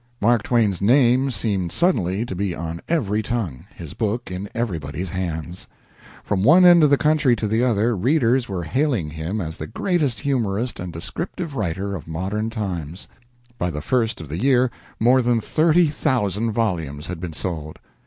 Mark Twain's name seemed suddenly to be on every tongue his book in everybody's hands. From one end of the country to the other, readers were hailing him as the greatest humorist and descriptive writer of modern times. By the first of the year more than thirty thousand volumes had been sold.